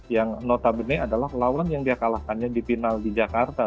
yang notabene adalah lawan yang dia kalahkannya di final di jakarta